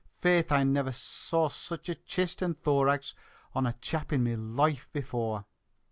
Faith, I never saw such a chist and thorax on a chap in me loife before!"